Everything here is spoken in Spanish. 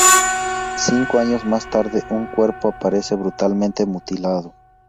Cinco años más tarde, un cuerpo aparece brutalmente mutilado.